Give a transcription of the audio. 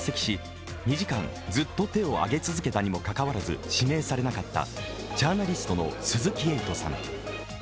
会見に出席し、２時間ずっと手を挙げたにもかかわらず指名されなかったジャーナリストの鈴木エイトさん。